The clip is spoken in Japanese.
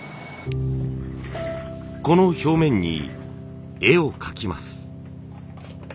この表面に絵を描きます。